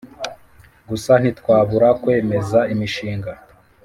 Gusa ntitwabura kwemeza imishinga